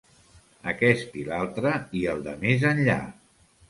Aquest i l'altre i el de més enllà.